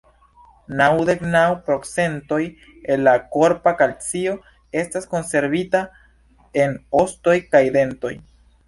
Naŭdek naŭ procentoj el la korpa kalcio estas konservita en ostoj kaj dentoj.